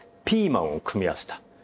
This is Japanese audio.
ピーマンを組み合わせた。